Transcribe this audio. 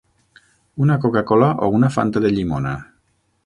Una coca-cola o una fanta de llimona?